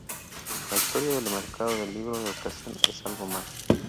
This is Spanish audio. La historia del Mercado del Libro de Ocasión es algo más.